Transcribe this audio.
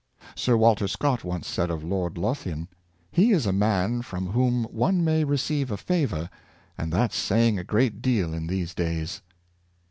Sir Walter Scott once said of Lord Lothian, " He is a man from whom one may re ceive a favor, and that's saying a great deal in these days."